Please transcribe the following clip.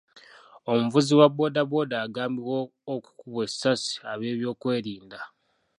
Omuvuzi wa bbooda bbooda agambibwa okukubwa essasi ab'ebyokwerinda.